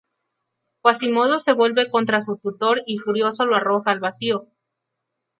Quasimodo se vuelve contra su tutor y furioso lo arroja al vacío.